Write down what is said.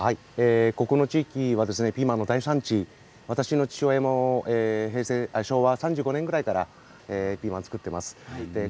ここの地域はピーマンの大産地で私の父親も昭和３５年ぐらいからピーマンを作っています。